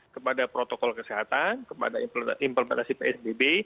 kepada protokol kesehatan kepada implementasi psbb